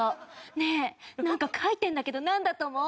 「ねえなんか書いてんだけどなんだと思う？」